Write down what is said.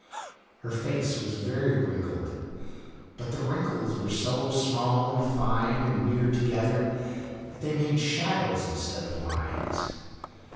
Her face was very wrinkled, but the wrinkles were so small and fine and near together that they made shadows instead of lines.